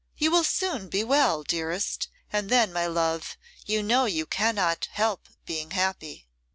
You will soon be well, dearest, and then, my love, you know you cannot help being happy.